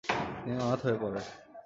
তিনি অনাথ হয়ে পড়েন।